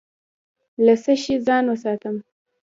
له څه شي ځان وساتم؟